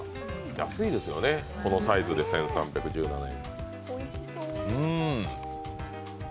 安いですよね、このサイズで１３１７円。